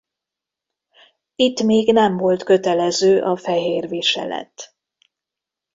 Itt még nem volt kötelező a fehér viselet.